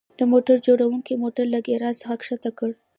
د کمپیوټر جوړونکي موټر له ګراج څخه ښکته کړ